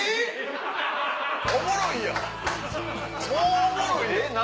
おもろいな。